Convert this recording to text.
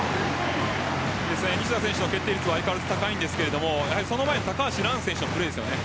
西田選手の決定率は相変わらず高いんですがその前の高橋藍選手のプレーですよね。